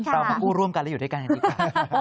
เรามาคู่ร่วมกันและอยู่ด้วยกันกันดีกว่า